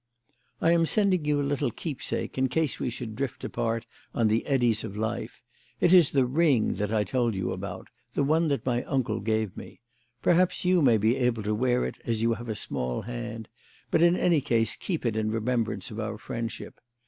"I am sending you a little keepsake in case we should drift apart on the eddies of life. It is the ring that I told you about the one that my uncle gave me. Perhaps you may be able to wear it as you have a small hand, but in any case keep it in remembrance of our friendship.